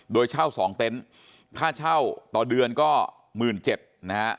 โดยเช่าสองเต็นต์ค่าเช่าต่อเดือนก็หมื่นเจ็ดนะฮะ